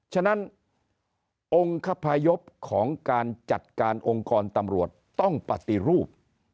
ฉะนั้นองค์คพยพของการจัดการองค์กรตำรวจต้องปฏิรูป